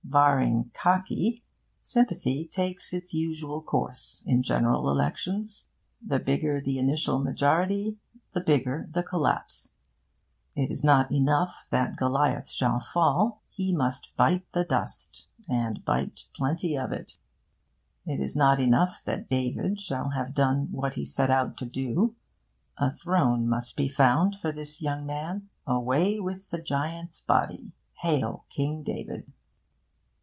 Barring 'khaki,' sympathy takes its usual course in General Elections. The bigger the initial majority, the bigger the collapse. It is not enough that Goliath shall fall: he must bite the dust, and bite plenty of it. It is not enough that David shall have done what he set out to do: a throne must be found for this young man. Away with the giant's body! Hail, King David!